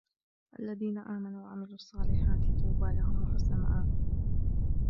الذين آمنوا وعملوا الصالحات طوبى لهم وحسن مآب